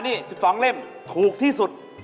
นี่๑๒เล่มถูกที่สุด